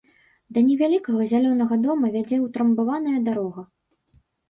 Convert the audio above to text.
Да невялікага зялёнага дома вядзе ўтрамбаваная дарога.